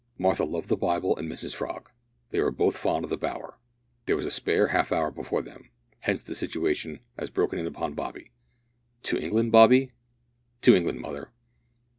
Martha loved the Bible and Mrs Frog; they were both fond of the bower; there was a spare half hour before them; hence the situation, as broken in upon by Bobby. "To England, Bobby?" "To England, mother."